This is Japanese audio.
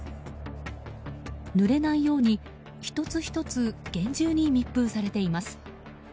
ぬれないように１つ１つ厳重に密封されています。